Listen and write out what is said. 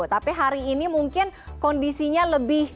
tapi hari ini mungkin kondisinya lebih